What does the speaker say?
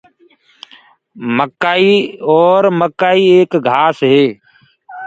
اور مڪآئي ايڪ گھآس هي۔